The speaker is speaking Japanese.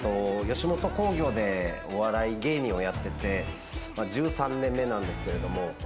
吉本興業でお笑い芸人をやってて１３年目なんですけれども。